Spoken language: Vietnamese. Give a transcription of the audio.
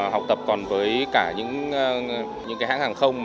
học tập còn với cả những hãng hàng không